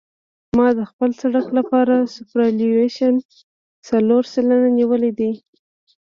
ما د خپل سرک لپاره سوپرایلیویشن څلور سلنه نیولی دی